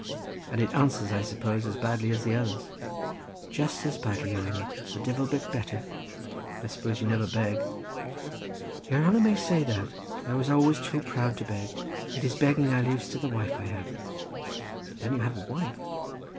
"And it answers, I suppose, as badly as the others?" "Just as badly, your hanner; divil a bit better." "I suppose you never beg?" "Your hanner may say that; I was always too proud to beg. It is begging I laves to the wife I have." "Then you have a wife?"